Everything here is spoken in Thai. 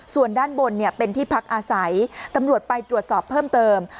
ส่วนด้านบนเป็นที่พักอาศัยตำรวจไปตรวจสอบเพิ่มเติม